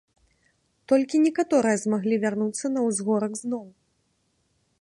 Толькі некаторыя змаглі вярнуцца на ўзгорак зноў.